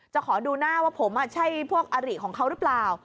ขอดูหน้าว่าผมใช่พวกอริของเขาหรือเปล่า